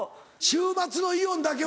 週末のイオンだけは。